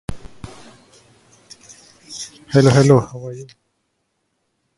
When he was there, he discovered cybernetic dolphins and sharks swimming together.